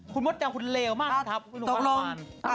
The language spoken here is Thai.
คุณงดยำคุณเลวมากฮะคุณลุงควรอำมาน